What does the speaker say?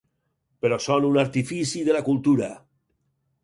Però són un artifici de la cultura.